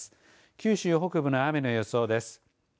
九州北部の雨の予想です。